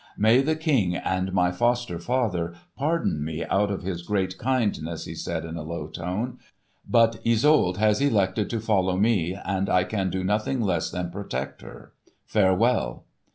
"May the King and my foster father pardon me out of his great kindness," he said in a low tone, "but Isolde has elected to follow me, and I can do nothing less than protect her. Farewell!"